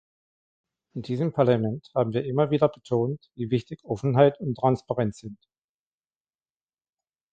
In diesem Parlament haben wir immer wieder betont, wie wichtig Offenheit und Transparenz sind.